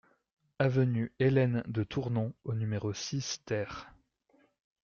Avenue Hélène de Tournon au numéro six TER